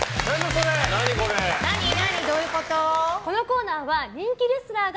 このコーナーは人気レスラーが